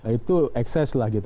itu ekses lah